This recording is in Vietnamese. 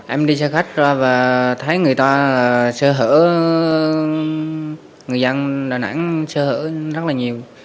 em đi cho khách ra và thấy người ta là sơ hữu người dân đà nẵng sơ hữu rất là nhiều